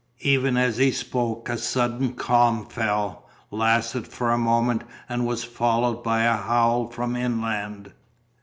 Even as he spoke a sudden calm fell, lasted for a moment, and was followed by a howl from inland.